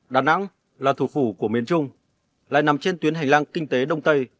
đà nẵng là thủ phủ của miền trung lại nằm trên tuyến hành lang kinh tế đông tây